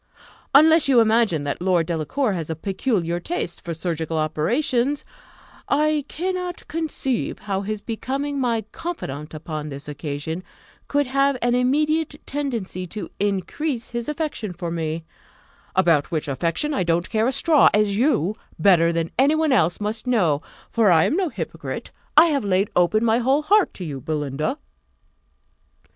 Unless you imagine that Lord Delacour has a peculiar taste for surgical operations, I cannot conceive how his becoming my confidant upon this occasion could have an immediate tendency to increase his affection for me about which affection I don't care a straw, as you, better than any one else, must know; for I am no hypocrite. I have laid open my whole heart to you, Belinda."